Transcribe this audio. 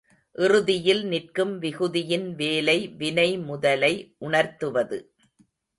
இறுதியில் நிற்கும் விகுதியின் வேலை வினைமுதலை உணர்த்துவது.